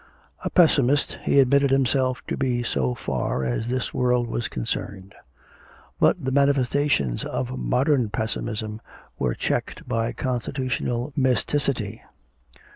A pessimist he admitted himself to be so far as this world was concerned. But the manifestations of modern pessimism were checked by constitutional mysticity.